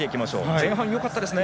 前半、よかったですね。